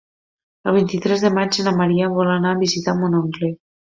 El vint-i-tres de maig na Maria vol anar a visitar mon oncle.